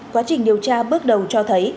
quá trình điều tra bước đầu cho thấy